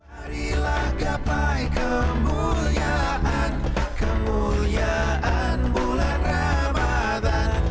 harilah gapai kemuliaan kemuliaan bulan ramadhan